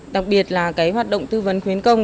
đặc biệt là hoạt động tư vấn khuyến công